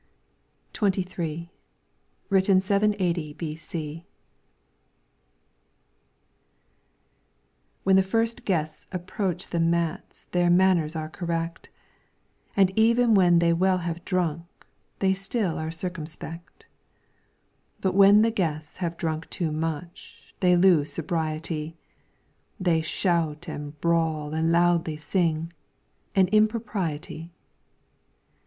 LYRICS FROM THE CHINESE XXIII Written 780 b.c. When first the guests approach the mats Their manners are correct ; And even when they well have drunk, They still are circumspect. But when the guests have drunk too much, They lose sobriety ; They shout and brawl and loudly sing, An impropriety.